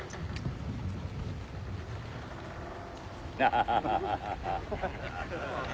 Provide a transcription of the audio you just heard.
ハハハハ。